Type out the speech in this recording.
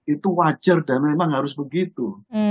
itu wajar dan memang harus begitu